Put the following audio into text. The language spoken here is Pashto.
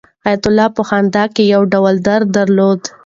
حیات الله په خندا کې یو ډول درد درلود.